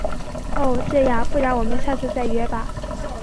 哦……这样，不然我们下次再约吧。